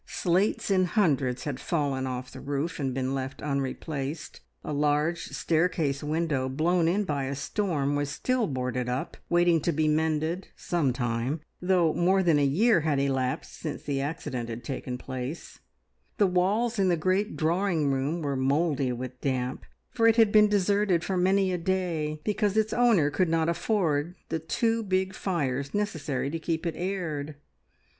Slates in hundreds had fallen off the roof and been left unreplaced; a large staircase window, blown in by a storm, was still boarded up, waiting to be mended "some time," though more than a year had elapsed since the accident had taken place; the walls in the great drawing room were mouldy with damp, for it had been deserted for many a day, because its owner could not afford the two big fires necessary to keep it aired.